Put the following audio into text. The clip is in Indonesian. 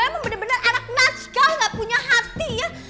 emang bener bener anak natsikal gak punya hati ya